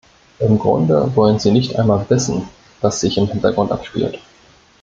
Im Grunde wollen sie nicht einmal wissen, was sich im Hintergrund abspielt.